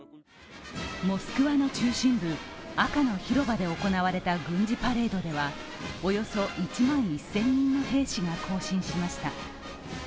モスクワの中心部、赤の広場で行われた軍事パレードでは、およそ１万１０００人の兵士が行進しました。